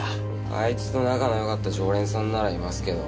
あいつと仲がよかった常連さんならいますけど。